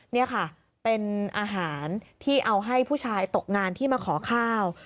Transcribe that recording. นี่ค่ะเป็นอาหารที่เอาให้ผู้ชายตกงานที่มาขอข้าว